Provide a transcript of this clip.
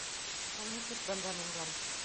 Ул нисек... бында... менгән?